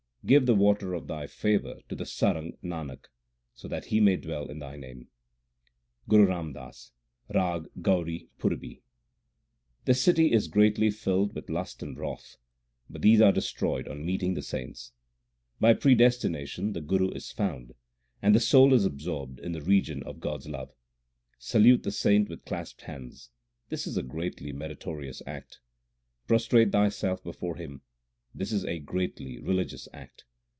Give the water of Thy favour to the sarang Nanak, so that he may dwell in Thy name. GURU RAM DAS, RAG GAURI PURBI The city * is greatly filled with lust and wrath ; but these are destroyed on meeting the saints. By predestination the Guru is found, and the soul is ab sorbed in the region of God s love. Salute the saint with clasped hands this is a greatly meritorious act. Prostrate thyself before him this is a greatly religious act.